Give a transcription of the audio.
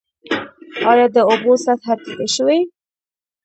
آیا د اوبو سطحه ټیټه شوې؟